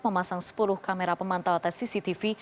memasang sepuluh kamera pemantau atau cctv